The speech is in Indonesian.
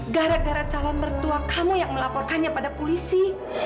gara gara calon mertua kamu yang melaporkannya pada polisi